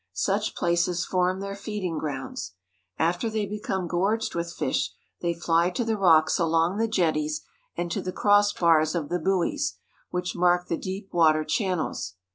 Such places form their feeding grounds. After they become gorged with fish, they fly to the rocks along the jetties and to the cross bars of the buoys, which mark the deep water channels.